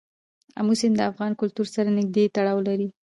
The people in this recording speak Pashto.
آمو سیند د افغان کلتور سره نږدې تړاو لري.